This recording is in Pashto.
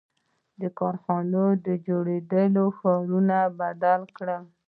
• د کارخانو جوړېدو ښارونه بدل کړل.